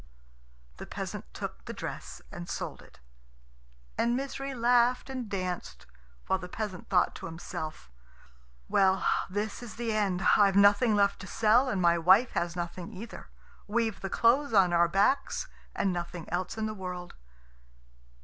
The peasant took the dress and sold it; and Misery laughed and danced, while the peasant thought to himself, "Well, this is the end. I've nothing left to sell, and my wife has nothing either. We've the clothes on our backs, and nothing else in the world."